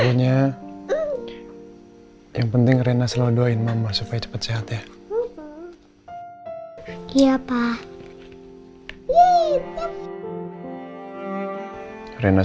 kayaknya yang penting rena selalu doain momo supaya cepat sehat ya